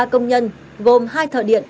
ba công nhân gồm hai thợ điện